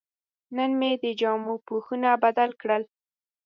نن مې د جامو پوښونه بدل کړل.